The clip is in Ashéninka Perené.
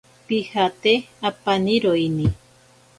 Pijate apaniroini.